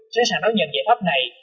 sẽ sẵn đấu nhận giải pháp này